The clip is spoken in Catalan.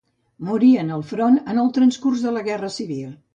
Morí en el front, en el transcurs de la Guerra Civil.